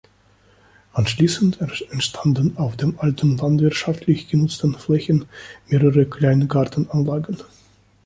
Anschließend entstanden auf den alten landwirtschaftlich genutzten Flächen mehrere Kleingartenanlagen.